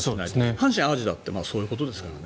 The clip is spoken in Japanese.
阪神・淡路だってそういうことですからね。